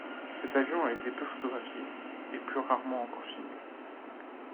Cet avion a été peu photographié, et plus rarement encore filmé.